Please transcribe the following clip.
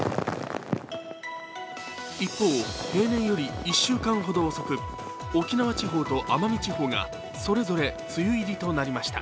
一方、平年より１週間ほど遅く沖縄地方と奄美地方がそれぞれ梅雨入りとなりました。